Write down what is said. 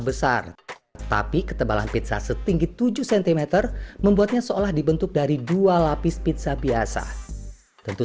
besar tapi ketebalan pizza setinggi tujuh cm membuatnya seolah dibentuk dari dua lapis pizza biasa tentu